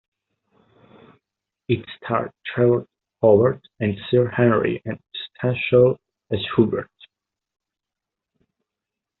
It starred Trevor Howard as Sir Henry, and Stanshall as Hubert.